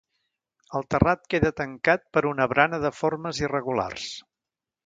El terrat queda tancat per una barana de formes irregulars.